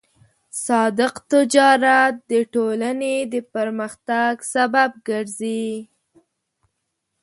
صادق تجارت د ټولنې د پرمختګ سبب ګرځي.